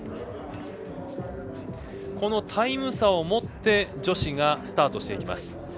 このタイム差を持って女子がスタートしていきます。